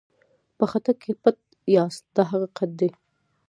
په خټه کې پټ یاست دا حقیقت دی.